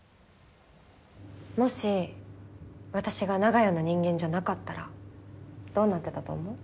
もし私が長屋の人間じゃなかったらどうなってたと思う？